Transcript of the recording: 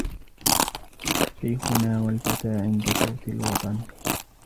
شيخنا والفتى عند صـوت الوطن